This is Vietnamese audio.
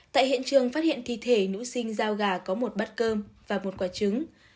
tại hiện trường phát hiện thi thể nữ sinh giao gà có một bát cơm và một quả trứng